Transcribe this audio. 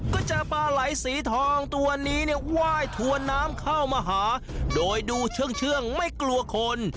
ก็เจอปลาไหลสีทองตัวนี้เนี่ยไหว้ถวนน้ำเข้ามาหาโดยดูเชื่องไม่กลัวคน